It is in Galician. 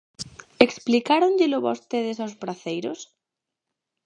¿Explicáronllelo vostedes aos praceiros?